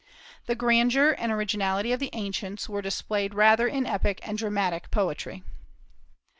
The grandeur and originality of the ancients were displayed rather in epic and dramatic poetry.